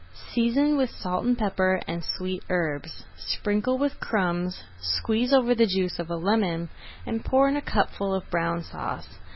Season with salt and pepper and sweet herbs. Sprinkle with crumbs, squeeze over the juice of a lemon, and pour in a cupful of Brown Sauce.